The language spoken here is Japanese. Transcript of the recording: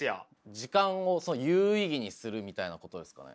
時間を有意義にするみたいなことですかね？